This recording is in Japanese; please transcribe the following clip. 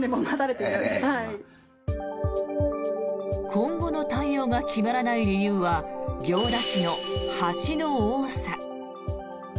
今後の対応が決まらない理由は行田市の橋の多さ。